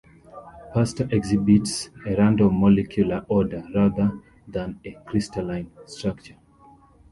Pasta exhibits a random molecular order rather than a crystalline structure.